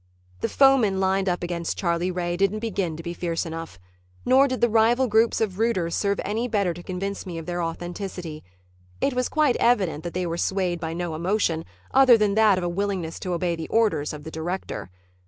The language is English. The foemen lined up against Charlie Ray didn't begin to be fierce enough. Nor did the rival groups of rooters serve any better to convince me of their authenticity. It was quite evident that they were swayed by no emotion other than that of a willingness to obey the orders of the director.